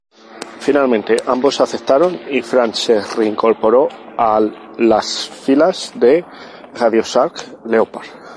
Finalmente ambos aceptaron y Frank se reincorporó al las filas del RadioShack Leopard.